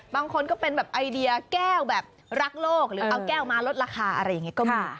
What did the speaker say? บางคนก็เป็นแบบไอเดียแก้วแบบรักโลกหรือเอาแก้วมาลดราคาอะไรอย่างนี้ก็มี